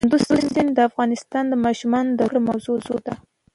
کندز سیند د افغان ماشومانو د زده کړې موضوع ده.